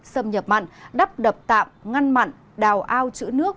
xâm nhập mặn đắp đập tạm ngăn mặn đào ao chữ nước